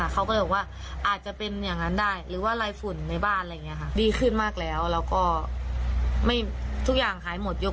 ขอแข่งคือจะเรียนหน่อย